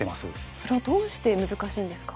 それはどうして難しいんですか？